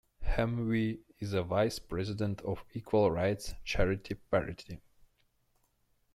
Hamwee is a vice president of equal rights charity Parity.